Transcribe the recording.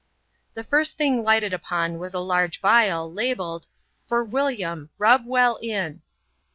The first thing lighted upon was a large vial, labelled —" For William — rub well in.